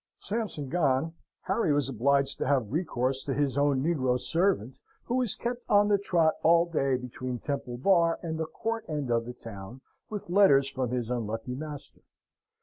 Sampson gone, Harry was obliged to have recourse to his own negro servant, who was kept on the trot all day between Temple Bar and the Court end of the town with letters from his unlucky master.